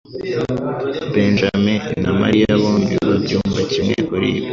Benjamin na Mariya bombi babyumva kimwe kuri ibyo.